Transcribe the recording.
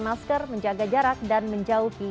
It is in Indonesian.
masker menjaga jarak dan menjauhi